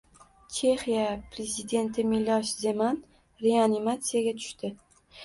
Chexiya prezidenti Milosh Zeman reanimatsiyaga tushdi